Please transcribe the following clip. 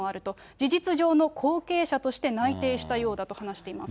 事実上の後継者として内定したようだと話しています。